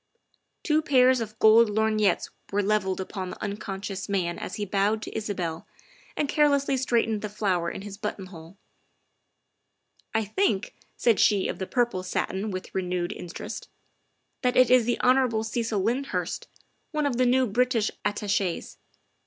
Two pairs of gold lorgnettes were levelled upon the unconscious man as he bowed to Isabel and carelessly straightened the flower in his buttonhole. " I think," said she of the purple satin with renewed interest, " that it is the Hon. Cecil Lyndhurst, one of the new British Attaches.